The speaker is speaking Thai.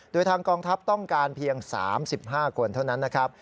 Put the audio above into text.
โดยทางกองทัพต้องการเพียง๓๕คนเท่านั้นนะครับ